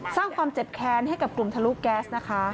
สร้างความเจ็บแค้นให้กับกลุ่มทะลุแก๊สนะคะ